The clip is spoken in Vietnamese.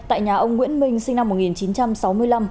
tại nhà ông nguyễn minh sinh năm một nghìn chín trăm sáu mươi năm